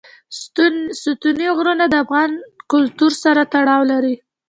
ستوني غرونه د افغان کلتور سره تړاو لري.